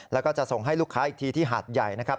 แล้วก็จะส่งให้ลูกค้าอีกทีที่หาดใหญ่นะครับ